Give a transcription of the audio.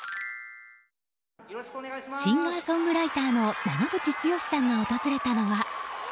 シンガーソングライターの長渕剛さんが訪れたのは。